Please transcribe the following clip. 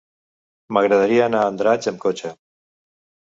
M'agradaria anar a Andratx amb cotxe.